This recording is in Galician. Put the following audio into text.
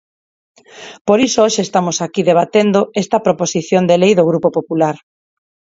Por iso hoxe estamos aquí debatendo esta proposición de lei do Grupo Popular.